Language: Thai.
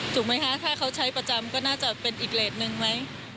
ถูกไหมคะถ้าเขาใช้ประจำก็น่าจะเป็นอีกเลสหนึ่งไหม